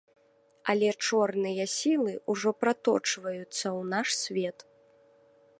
Але чорныя сілы ўжо праточваюцца ў наш свет.